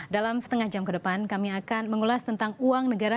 dalam setengah jam ke depan kami akan mengulas tentang uang negara